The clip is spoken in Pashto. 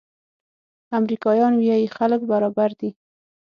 امریکایان وايي خلک برابر دي.